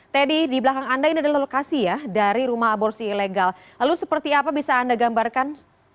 teddy di belakang anda ini adalah lokasi ya dari rumah aborsi ilegal lalu seperti apa bisa anda gambarkan